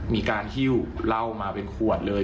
มีการหิ้วเหล้ามาเป็นขวดเลย